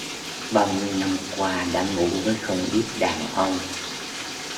bao nhiêu năm qua đã ngủ với không ít đàn ông